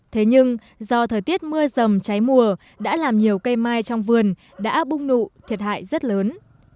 thế nhưng do thời tiết mưa rầm cháy mùa đã làm nhiều cây mai trong vườn đã bung nụ thiệt hại rất lớn